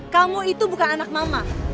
kamu itu bukan anak mama